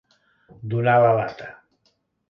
Donar la lata.